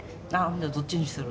どっちにする？